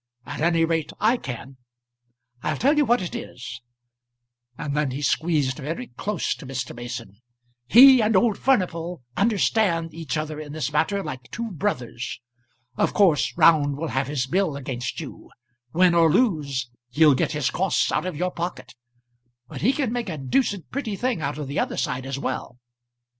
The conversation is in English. At any rate I can. I'll tell you what it is" and then he squeezed very close to Mr. Mason "he and old Furnival understand each other in this matter like two brothers. Of course Round will have his bill against you. Win or lose, he'll get his costs out of your pocket. But he can make a deuced pretty thing out of the other side as well.